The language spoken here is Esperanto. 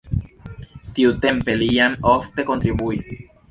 Tiutempe li jam ofte kontribuis.